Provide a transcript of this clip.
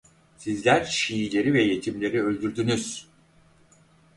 Sizler Şiileri ve yetimleri öldürdünüz.